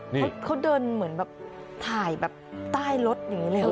พี่คุณเค้าเดินเหมือนแบบถ่ายแบบใต้รถอย่างงั้นเลยอ่ะ